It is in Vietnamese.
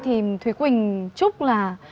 thì thúy quỳnh chúc là